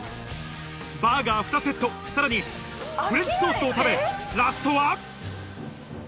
バーガー２セット、さらにフレンチトーストを食べラストは。